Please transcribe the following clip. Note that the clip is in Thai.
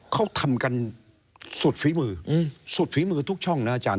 เขาทำกันสุดฝีมือสุดฝีมือทุกช่องนะอาจารย